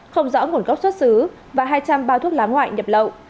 không rõ nguồn gốc xuất xứ và hai trăm linh bao thuốc lá ngoại nhập lậu